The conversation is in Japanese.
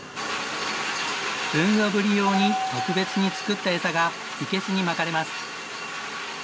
豊後ぶり用に特別に作ったエサが生け簀にまかれます。